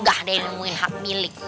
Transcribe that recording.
ih ga ada yang nemuin hak milik